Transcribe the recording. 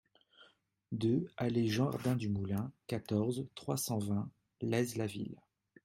deux allée Jardin du Moulin, quatorze, trois cent vingt, Laize-la-Ville